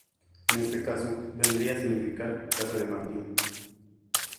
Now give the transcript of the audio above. En este caso, vendría a significar "casa de Martín".